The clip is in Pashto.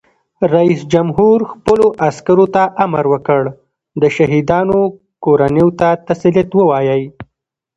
رئیس جمهور خپلو عسکرو ته امر وکړ؛ د شهیدانو کورنیو ته تسلیت ووایئ!